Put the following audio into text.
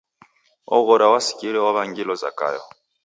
Oghora wasikire waw'angilo Zakayo.